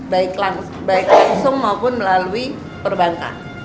baik langsung maupun melalui perbankan